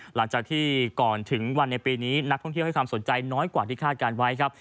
หลังจากที่ก่อนถึงวันในปีนี้นักท่องเที่ยวให้ความสนใจน้อยกว่าที่คาดการณ์ไว้ครับ